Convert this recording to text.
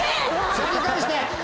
やり返して！